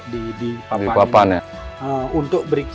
jadi kita bisa lengkap